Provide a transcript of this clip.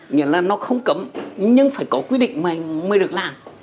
nghĩa là nó không cấm nhưng phải có quy định mà mới được làm